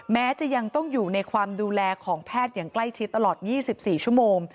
แม้จะยังต้องอยู่ในความดูแลของแพทย์อย่างใกล้ชิดตลอด๒๔ชั่วโมง